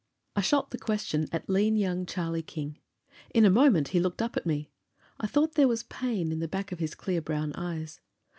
I shot the question at lean young Charlie King. In a moment he looked up at me; I thought there was pain in the back of his clear brown eyes.